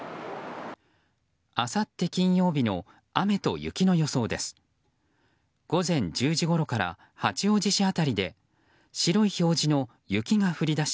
あさって金曜日の雨と雪の予想です。